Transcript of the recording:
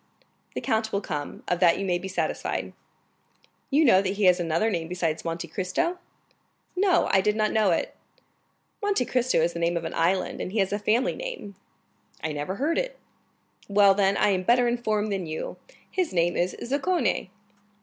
"The count will come, of that you may be satisfied." "You know that he has another name besides Monte Cristo?" "No, I did not know it." "Monte Cristo is the name of an island, and he has a family name." "I never heard it." "Well, then, I am better informed than you; his name is Zaccone."